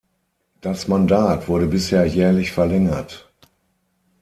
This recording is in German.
Das Mandat wurde bisher jährlich verlängert.